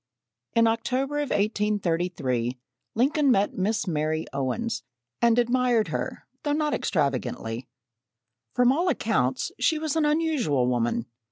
In October of 1833, Lincoln met Miss Mary Owens, and admired her though not extravagantly. From all accounts, she was an unusual woman.